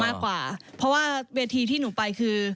มากกว่าเพราะว่าเวทีที่หนูไปคือ